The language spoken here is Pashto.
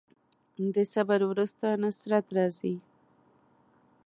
د صبر وروسته نصرت راځي.